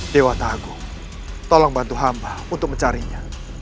dewa tagu tolong bantu hamba untuk mencarinya